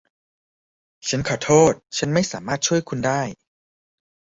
ฉันขอโทษ ฉันไม่สามารถช่วยคุณได้